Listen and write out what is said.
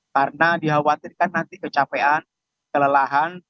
karena dikhawatirkan nanti kecapean kelelahan